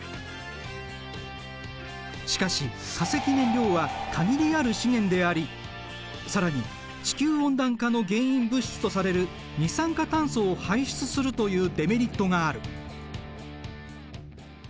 しかし化石燃料は限りある資源であり更に地球温暖化の原因物質とされる二酸化炭素を排出するというデメリットがある。